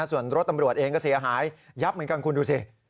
ส่วนรถตำรวจเองก็เสียหายยับเหมือนกันคุณดูสิ